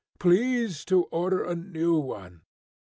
"Please to order a new one."